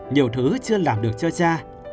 nhiều thứ chưa làm được cho cha